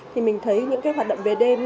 thì mình thấy những hoạt động về đêm